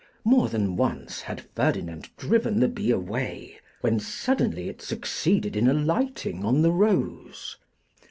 More than once had Ferdinand driven the bee away, when suddenly it succeeded in alighting on the rose.